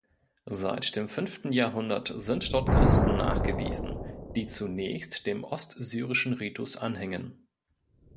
Seit dem fünften Jahrhundert sind dort Christen nachgewiesen, die zunächst dem ostsyrischen Ritus anhingen.